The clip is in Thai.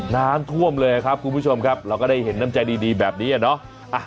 น้ำท่วมเลยครับคุณผู้ชมครับเราก็ได้เห็นน้ำใจดีแบบนี้อะเนาะ